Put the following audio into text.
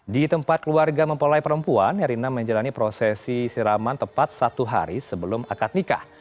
di tempat keluarga mempelai perempuan erina menjalani prosesi siraman tepat satu hari sebelum akad nikah